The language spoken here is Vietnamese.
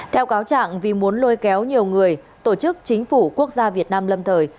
theo cáo trạng vì muốn lôi kéo nhiều người tổ chức chính phủ quốc gia việt nam lâm thời